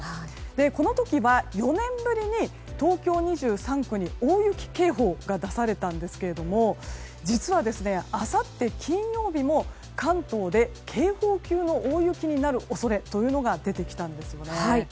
この時は４年ぶりに東京２３区に大雪警報が出されたんですけども実は、あさって金曜日も関東で警報級の大雪になる恐れというのが出てきたんですよね。